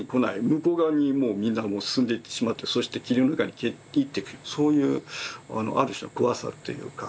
向こう側にもうみんなもう進んでいってしまってそして霧の中に消えていっていくそういうある種の怖さというか。